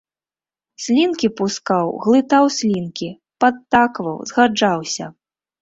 Слінкі пускаў, глытаў слінкі, падтакваў, згаджаўся.